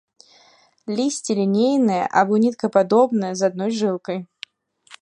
Лісце лінейнае або ніткападобнае з адной жылкай.